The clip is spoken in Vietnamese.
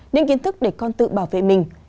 những kiến thức để con tự bảo vệ mình